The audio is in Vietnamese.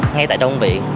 ngay tại trong viện